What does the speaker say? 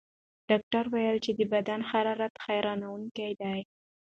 ډاکټره وویل چې د بدن حرارت حیرانوونکی دی.